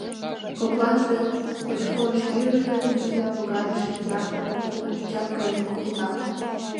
Кокланже кочкыш-йӱыш дене пырля логарыш ятыр пун пырчат каен колта.